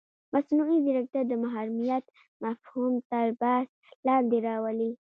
مصنوعي ځیرکتیا د محرمیت مفهوم تر بحث لاندې راولي.